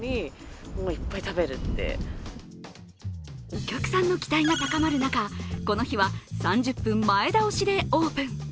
お客さんの期待が高まる中、この日は３０分前倒しでオープン。